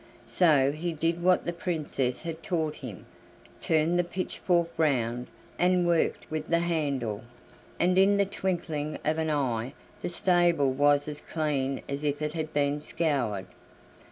So he did what the Princess had taught him, turned the pitchfork round, and worked with the handle, and in the twinkling of an eye the stable was as clean as if it had been scoured.